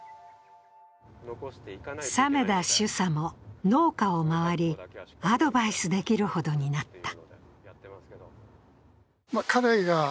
鮫田主査も農家を回り、アドバイスできるほどになった。